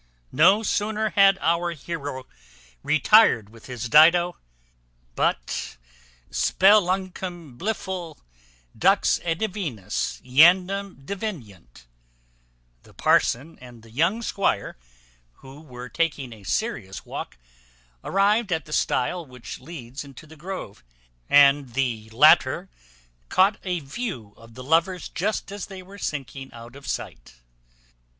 No sooner had our heroe retired with his Dido, but Speluncam Blifil _dux et divinus eandem Deveniunt _ the parson and the young squire, who were taking a serious walk, arrived at the stile which leads into the grove, and the latter caught a view of the lovers just as they were sinking out of sight.